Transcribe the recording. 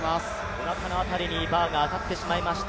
おなかの辺りにバーが当たってしまいました